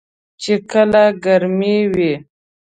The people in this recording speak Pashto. چې کله ګرمې وي .